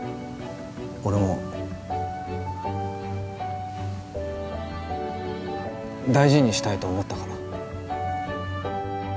俺も大事にしたいと思ったから。